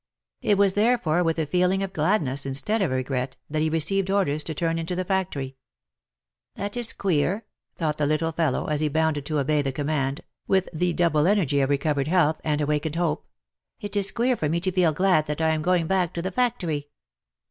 It was therefore with a feeling of gladness, instead of regret, that he received orders to turn into the factory. " That is queer V thought the little fellow, as he bounded to obey the command, with the double energy of recovered health, and awakened hope, " it is queer for me to feel glad that I am going back to the factory